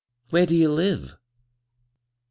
Where do ye live ?